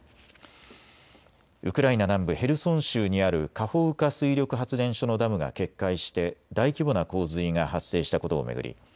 ウクライナ南部ヘルソン州にあるカホウカ水力発電所のダムが決壊して大規模な洪水が発生したことを巡り